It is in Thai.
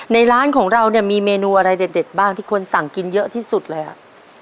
ในร้านของเราเนี่ยมีเมนูอะไรเด็ดบ้างที่คนสั่งกินเยอะที่สุดเลยอ่ะ